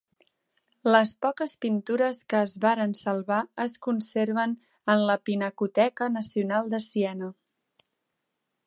Les poques pintures que es varen salvar es conserven en la Pinacoteca Nacional de Siena.